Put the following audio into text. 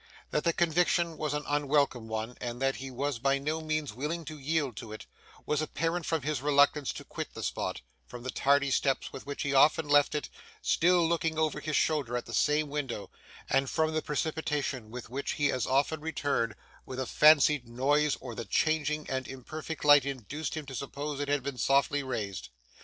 That the conviction was an unwelcome one, and that he was by no means willing to yield to it, was apparent from his reluctance to quit the spot; from the tardy steps with which he often left it, still looking over his shoulder at the same window; and from the precipitation with which he as often returned, when a fancied noise or the changing and imperfect light induced him to suppose it had been softly raised.